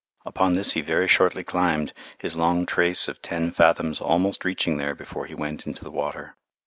Upon this he very shortly climbed, his long trace of ten fathoms almost reaching there before he went into the water.